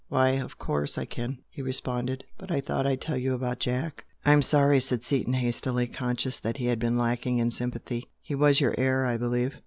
"Why, of course I can!" he responded "But I thought I'd tell you about Jack " "I'm sorry!" said Seaton, hastily, conscious that he had been lacking in sympathy "He was your heir, I believe?"